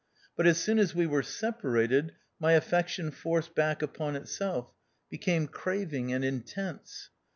But, as soon as we were separated, my affection forced back upon itself, became craving and intense.